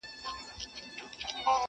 هغه لمرونو هغه واورو آزمېیلی چنار!!